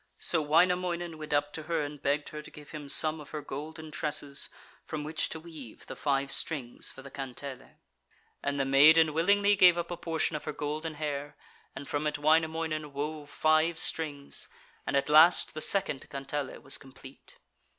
So Wainamoinen went up to her and begged her to give him some of her golden tresses, from which to weave the five strings for the kantele. And the maiden willingly gave up a portion of her golden hair, and from it Wainamoinen wove five strings, and at last the second kantele was complete.